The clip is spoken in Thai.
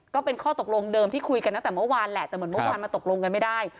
ก็เป็นข้อตกลงเดิมที่คุยกันตั้งแต่เมื่อวานแหละแต่เหมือนเมื่อวานมันตกลงกันไม่ได้